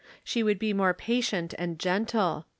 She Avould be more patient and gentle.